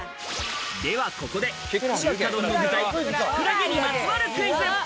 ではここで中華丼の具材、キクラゲにまつわるクイズ。